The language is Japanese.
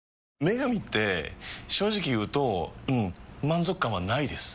「麺神」って正直言うとうん満足感はないです。